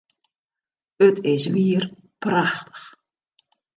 It is wier prachtich!